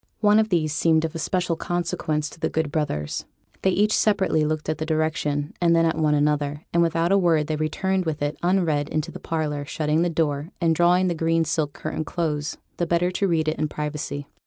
One of these seemed of especial consequence to the good brothers. They each separately looked at the direction, and then at one another; and without a word they returned with it unread into the parlour, shutting the door, and drawing the green silk curtain close, the better to read it in privacy.